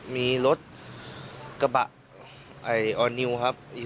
มีรถกระบะออร์นิวครับ